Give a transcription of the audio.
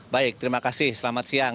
baik terima kasih selamat siang